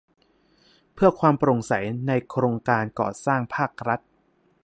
เพื่อความโปร่งใสในโครงการก่อสร้างภาครัฐ